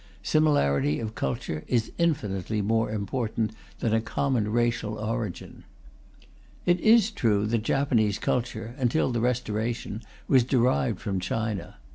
Similarity of culture is infinitely more important than a common racial origin. It is true that Japanese culture, until the Restoration, was derived from China.